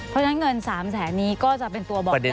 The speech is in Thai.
เพราะฉะนั้นเงิน๓แสนนี้ก็จะเป็นตัวบอก